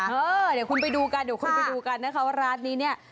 เออเดี๋ยวคุณไปดูกันเดี๋ยวคุณไปดูกันนะคะว่าร้านนี้เนี่ย